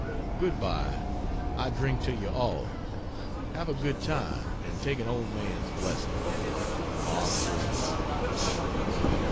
Good bye. I drink to you all. Have a good time and take an old man's blessing. MARK TWAIN.